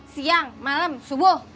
siang malam subuh